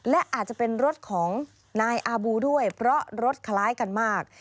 และอาจจะเป็นรถของนายอาบูด้วยเพราะรถคล้ายกันมาก